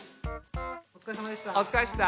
おつかれさまでした。